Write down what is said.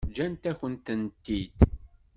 Ǧǧant-akent-tent-id.